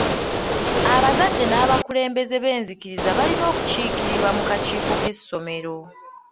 Abazadde n'abakulembeze b'enzikkiriza balina okukiikirirwa mu kakiiko k'essomero.